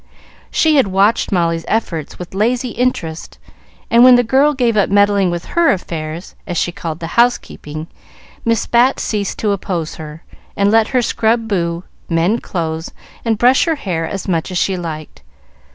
She had watched Molly's efforts with lazy interest, and when the girl gave up meddling with her affairs, as she called the housekeeping, Miss Bat ceased to oppose her, and let her scrub Boo, mend clothes, and brush her hair as much as she liked.